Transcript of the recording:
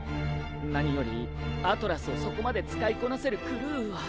何よりアトラスをそこまで使いこなせるクルーは。